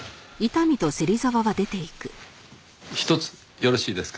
ひとつよろしいですか？